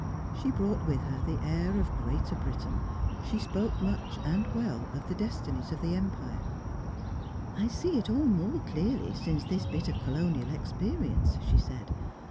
She brought with her the air of Greater Britain; she spoke much, and well, of the destinies of the Empire. "I see it all more clearly since this bit of Colonial experience," she said.